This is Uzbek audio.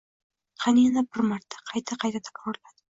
— Qani, yana bir marta, — qayta-qayta takrorladi